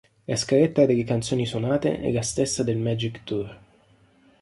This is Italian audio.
La scaletta delle canzoni suonate è la stessa del Magic Tour.